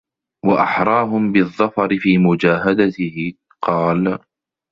وَأَحْرَاهُمْ بِالظَّفَرِ فِي مُجَاهَدَتِهِ ؟ قَالَ